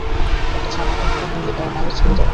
একটা ছানা, আতঙ্কিত মায়ের ছেড়ে যাওয়া।